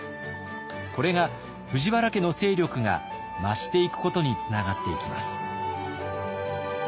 これが藤原家の勢力が増していくことにつながっていきます。